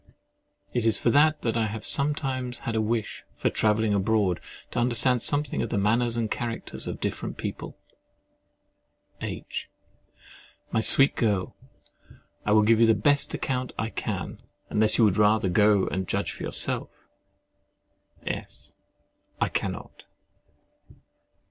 It is for that I have sometimes had a wish for travelling abroad, to understand something of the manners and characters of different people. H. My sweet girl! I will give you the best account I can—unless you would rather go and judge for yourself. S. I cannot.